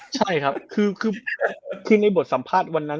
ใช่ครับคือในบทสัมภาษณ์วันนั้น